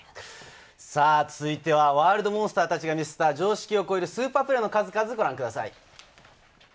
続いてはワールドモンスターたちが見せた常識を超えるスーパープレーの数々をご覧ください。